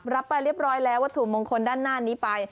รับไปเรียบร้อยแล้ววัตถุมงคลด้านหน้านี้ไป